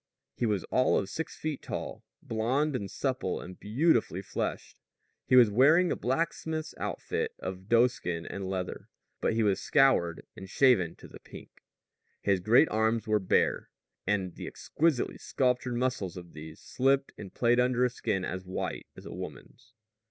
He was all of six feet tall, blond and supple and beautifully fleshed. He was wearing his blacksmith's outfit of doeskin and leather, but he was scoured and shaven to the pink. His great arms were bare; and the exquisitely sculptured muscles of these slipped and played under a skin as white as a woman's.